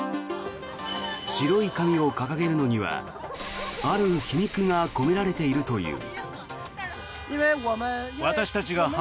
白い紙を掲げるのにはある皮肉が込められているという。